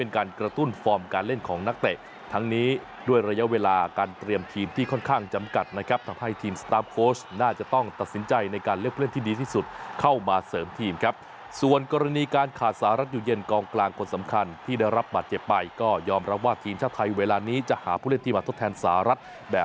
การกระตุ้นฟอร์มการเล่นของนักเตะทั้งนี้ด้วยระยะเวลาการเตรียมทีมที่ค่อนข้างจำกัดนะครับทำให้ทีมสตาร์ฟโค้ชน่าจะต้องตัดสินใจในการเลือกเล่นที่ดีที่สุดเข้ามาเสริมทีมครับส่วนกรณีการขาดสหรัฐอยู่เย็นกองกลางคนสำคัญที่ได้รับบาดเจ็บไปก็ยอมรับว่าทีมชาติไทยเวลานี้จะหาผู้เล่นที่มาทดแทนสหรัฐแบบ